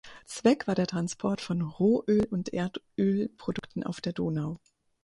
Zweck war der Transport von Rohöl und Erdölprodukten auf der Donau.